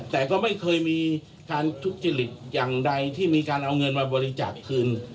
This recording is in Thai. แต่ก็ไม่เคยมีการทุจริตอย่างใดที่มีการเอาเงินมาบริจาคคืน